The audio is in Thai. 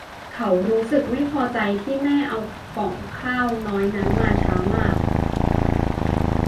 เขารู้สึกไม่พอใจที่แม่เอาก่องข้าวน้อยนั้นมาช้ามาก